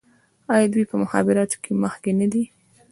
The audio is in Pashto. آیا دوی په مخابراتو کې مخکې نه دي؟